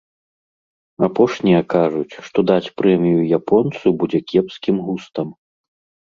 Апошнія кажуць, што даць прэмію японцу будзе кепскім густам.